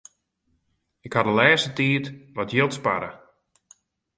Ik haw de lêste tiid wat jild sparre.